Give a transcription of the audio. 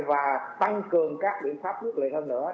và tăng cường các biện pháp quyết liệt hơn nữa